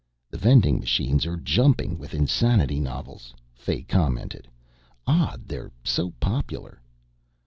"The vending machines are jumping with insanity novels," Fay commented. "Odd they're so popular."